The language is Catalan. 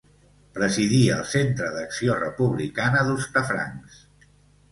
Presidí el Centre d'Acció Republicana d'Hostafrancs.